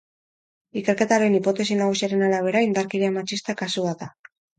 Ikerketaren hipotesi nagusiaren arabera, indarkeria matxista kasu bat da.